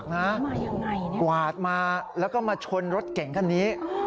กวาดยังไงเนี่ยกวาดมาแล้วก็มาชนรถเก๋งคันนี้